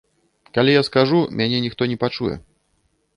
Калі я скажу, мяне ніхто не пачуе.